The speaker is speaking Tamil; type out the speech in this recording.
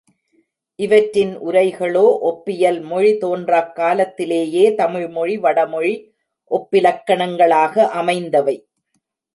இவற்றின் உரைகளோ ஒப்பியல் மொழி தோன்றாக் காலத்திலேயே தமிழ் மொழி வடமொழி ஒப்பிலக்கணங்களாக அமைந்தவை.